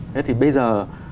thế thì bây giờ